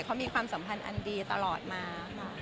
เขามีความสัมพันธ์อันดีตลอดมาค่ะ